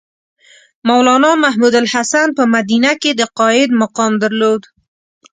مولنا محمودالحسن په مدینه کې د قاید مقام درلود.